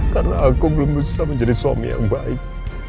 karena aku belum bisa menjadi suami yang baik